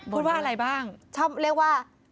พูดว่าอะไรบ้างชอบเรียกว่า